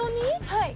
はい。